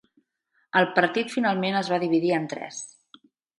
El partit finalment es va dividir en tres.